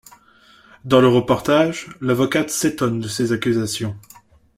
Dans le reportage, l'avocate s'étonne de ses accusations.